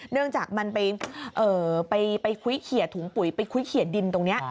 เนื่องจากมันไปคุยเขียดถุงปุ๋ยไปคุยเขียดดินตรงนี้